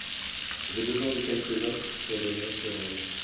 J’ai besoin de quelques notes sur les Montsorel.